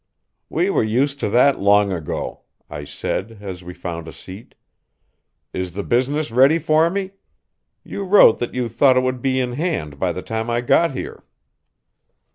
"We were used to that long ago," I said, as we found a seat. "Is the business ready for me? You wrote that you thought it would be in hand by the time I got here."